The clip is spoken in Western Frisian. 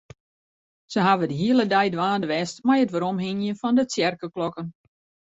Se hawwe de hiele dei dwaande west mei it weromhingjen fan de tsjerkeklokken.